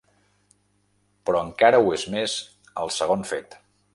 Però encara ho és més el segon fet.